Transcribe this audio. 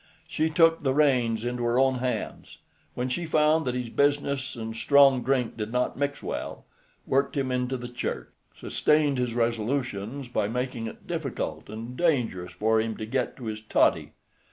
She took the reins into her own hands when she found that his business and strong drink did not mix well, worked him into the church, sustained his resolutions by making it difficult and dangerous for him to get to his toddy.